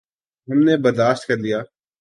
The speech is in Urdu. ہم نے برداشت کر لیا۔